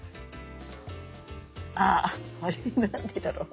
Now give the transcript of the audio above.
あっあれ何でだろう？